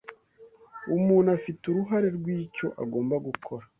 Umuntu afite uruhare rw’icyo agomba gukora